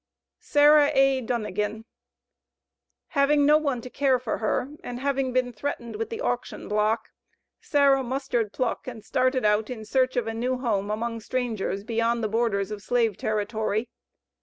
SARAH A. DUNAGAN. Having no one to care for her, and, having been threatened with the auction block, Sarah mustered pluck and started out in search of a new home among strangers beyond the borders of slave territory.